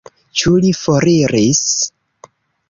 Ĉu li foriris?